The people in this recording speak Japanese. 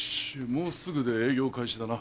もうすぐで営業開始だな。